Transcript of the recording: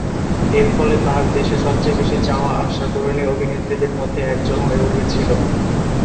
এর ফলে তার দেশে "সবচেয়ে বেশি চাওয়া-আসা তরুণ অভিনেত্রীদের মধ্যে একজন" হয়ে উঠেছিল।